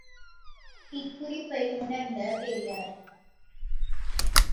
இக் குறிப்பை உணர்ந்த பெரியார்.